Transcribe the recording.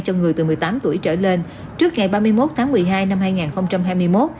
cho người từ một mươi tám tuổi trở lên trước ngày ba mươi một tháng một mươi hai năm hai nghìn hai mươi một